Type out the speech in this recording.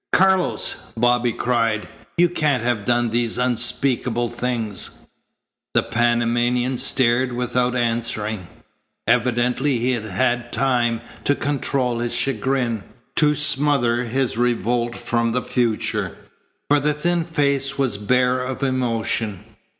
"Carlos!" Bobby cried. "You can't have done these unspeakable things!" The Panamanian stared without answering. Evidently he had had time to control his chagrin, to smother his revolt from the future; for the thin face was bare of emotion.